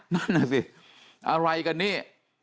นั่นน่ะสิอะไรกันนี่